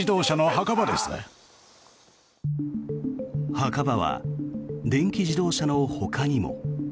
墓場は電気自動車のほかにも。